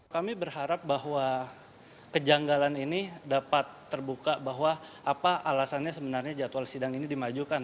kami berharap bahwa kejanggalan ini dapat terbuka bahwa apa alasannya sebenarnya jadwal sidang ini dimajukan